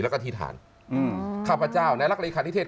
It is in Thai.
แล้วก็ที่ฐานข้าพเจ้านัยรักษณะอีกค่านิเทศ